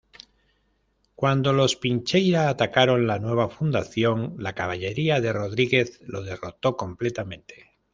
Cuando los Pincheira atacaron la nueva fundación, la caballería de Rodríguez lo derrotó completamente.